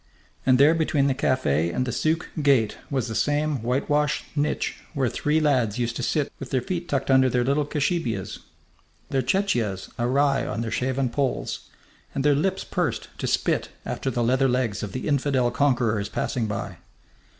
And there between the café and the souk gate was the same whitewashed niche where three lads used to sit with their feet tucked under their little kashabias, their chechias awry on their shaven polls, and their lips pursed to spit after the leather legs of the infidel conquerors passing by.